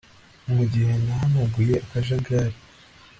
mugihe nahanaguye akajagari